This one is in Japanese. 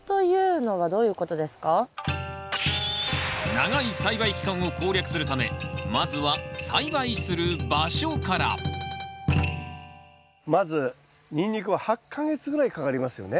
長い栽培期間を攻略するためまずは栽培する場所からまずニンニクは８か月ぐらいかかりますよね。